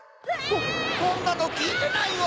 こんなのきいてないわ！